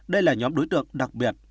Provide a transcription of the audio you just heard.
đây là nhóm đối tượng đặc biệt